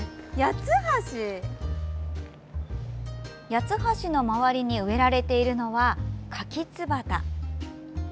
八つ橋の周りに植えられているのは、カキツバタ。